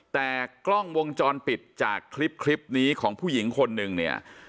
แต่กล้องวงจรปิดจากคลิปนี้ของผู้หญิงคนหนึ่งเนี่ย